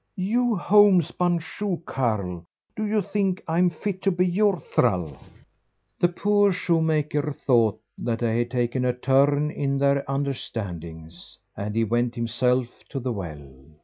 "You home spun shoe carle, do you think I am fit to be your thrall?" The poor shoemaker thought that they had taken a turn in their understandings, and he went himself to the well.